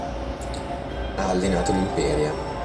Ha allenato l'Imperia.